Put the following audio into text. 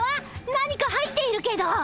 何か入っているけど。